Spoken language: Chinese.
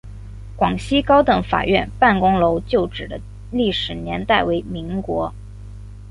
广西高等法院办公楼旧址的历史年代为民国。